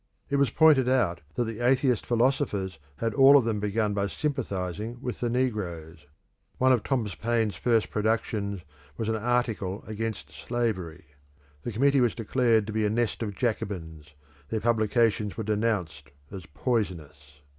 It was pointed out that the atheist philosophers had all of them begun by sympathising with the negroes; one of Thomas Paine's first productions was an article against slavery. The Committee was declared to be a nest of Jacobins, their publications were denounced as poisonous.